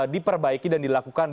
diperbaiki dan dilakukan